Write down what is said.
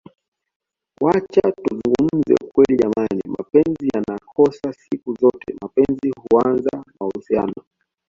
Wacha tuzungumze ukweli jamani mapenzi hayana kosa siku zote mapenzi huanza mahusiano